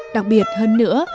đặc biệt hơn nữa